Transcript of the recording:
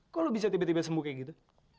kok lo bisa tiba tiba sembuh kayak gitu